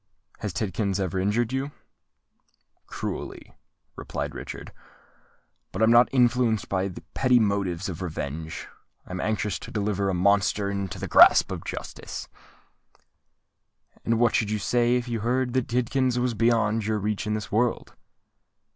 Has Tidkins ever injured you?" "Cruelly," replied Richard. "But I am not influenced by petty motives of revenge: I am anxious to deliver a monster into the grasp of justice." "And what should you say if you heard that Tidkins was beyond your reach in this world?"